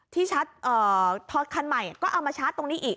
ที่ชาร์จเอ่อทอดคันใหม่ก็เอามาชาร์จตรงนี้อีก